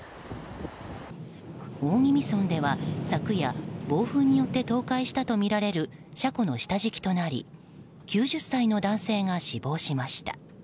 大宜味村では昨夜暴風によって倒壊したとみられる車庫の下敷きとなり９０歳の男性が死亡しました。